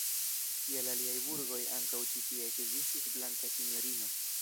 Kiel aliaj burgoj, ankaŭ ĉi tie ekzistis blanka sinjorino.